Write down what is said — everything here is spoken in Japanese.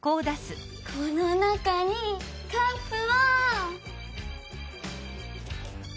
この中にカップを。